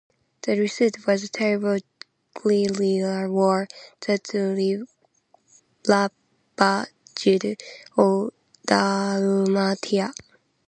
The result was a terrible guerrilla war that ravaged all Dalmatia.